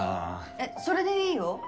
えっそれでいいよ。